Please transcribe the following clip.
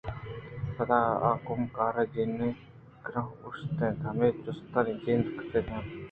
پدا آ کُمبار ءِ جَن ءِ کرّا شُت ءُ ہمے جُستانی جند ئِے کُت اَنت